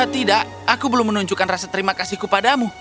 tidak aku belum menunjukkan rasa terima kasih kepadamu